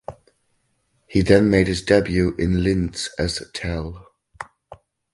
He then made his debut in Linz as Tell.